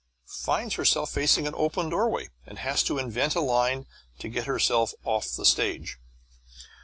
finds herself facing an open doorway and has to invent a line to get herself off the stage.